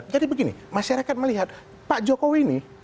jadi begini masyarakat melihat pak jokowi ini